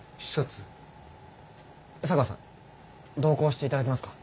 茶川さん同行していただけますか？